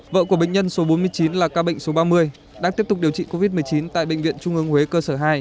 vợ của bệnh nhân số bốn mươi chín là ca bệnh số ba mươi đang tiếp tục điều trị covid một mươi chín tại bệnh viện trung ương huế cơ sở hai